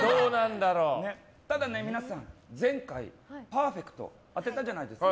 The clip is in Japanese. ただね、皆さん前回パーフェクトで当てたじゃないですか。